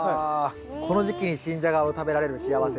この時期に新ジャガを食べられる幸せ。